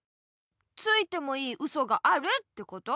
ついてもいいウソがあるってこと？